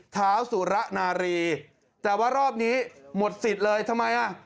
เท้าสุระนารีแต่ว่ารอบนี้หมดสิทธิ์เลยทำไมอ่ะ